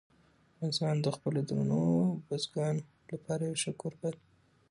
افغانستان د خپلو درنو بزګانو لپاره یو ښه کوربه دی.